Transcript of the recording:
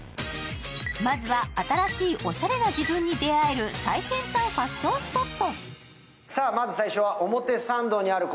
まずは、新しいおしゃれな自分に出会える最先端ファッションスポット。